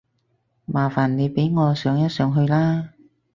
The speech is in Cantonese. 麻煩你俾我上一上去啦